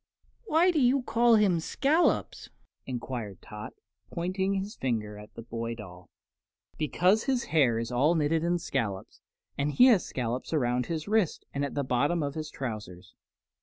"Why do you call him Scollops?" enquired Tot, pointing his finger at the boy doll. "Because his hair is all knitted in scollops, and he has scollops around his wrists and at the bottom of his trousers."